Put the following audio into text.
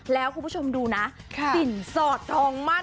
แล้วคุณผู้ชมดูนะสินสอดทองมั่น